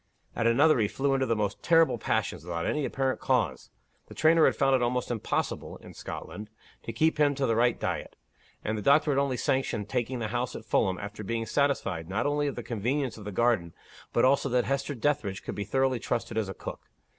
At another, he flew into the most terrible passions without any apparent cause. The trainer had found it almost impossible (in Scotland) to keep him to the right diet; and the doctor had only sanctioned taking the house at Fulham, after being first satisfied, not only of the convenience of the garden, but also that Hester Dethridge could be thoroughly trusted as a cook.